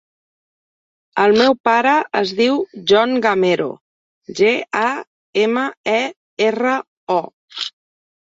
El meu pare es diu John Gamero: ge, a, ema, e, erra, o.